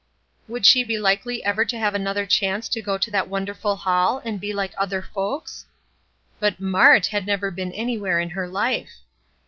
Would she be likely ever to have another chance to go to that wonderful hall, and be like other folks? But Mart had never been anywhere in her life.